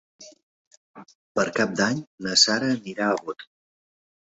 Per Cap d'Any na Sara anirà a Bot.